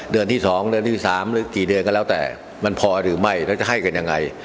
เดือนที่สองเดือนที่สามดูกันเยอะแล้วพอหรือไม่และจะให้กันอย่างไร